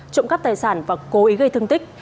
trộm cắp tài sản và cố ý gây thương tích